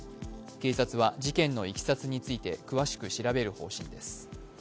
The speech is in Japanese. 警察は事件のいきさつについて詳しく調べる方針です。